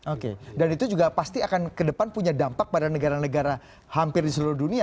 oke dan itu juga pasti akan ke depan punya dampak pada negara negara hampir di seluruh dunia